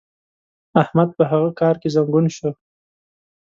احمد په هغه کار کې زنګون شو.